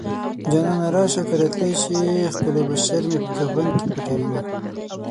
جانانه راشه که راتلی شې ښکلی بشر مې په کفن کې پټوينه